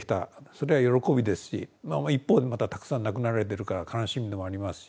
一方でまたたくさん亡くなられてるから悲しみでもありますし。